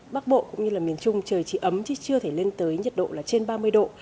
bắc bộ cũng như là miền trung trời chỉ ấm chứ chưa thể lên tới nhiệt độ là trên ba mươi độ